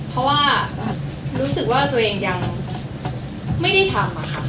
เพราะว่ารู้สึกว่าตัวเองยังไม่ได้ทำค่ะ